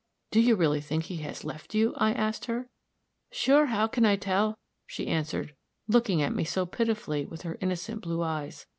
"'Do you really think he has left you?' I asked her. "'Sure, how can I tell?' she answered, looking at me so pitifully with her innocent blue eyes.